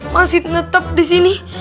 masih tetap di sini